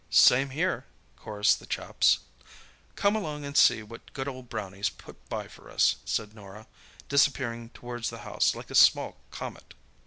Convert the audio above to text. "Same here," chorused the chaps. "Come along and see what good old Brownie's put by for us," said Norah, disappearing towards the house like a small comet.